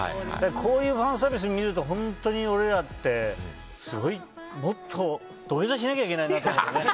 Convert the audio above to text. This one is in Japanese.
こういうファンサービスを見ると本当に俺らって土下座しなきゃいけないなと思うね。